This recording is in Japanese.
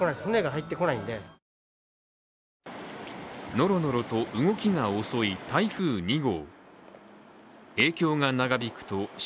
のろのろと動きが遅い台風２号。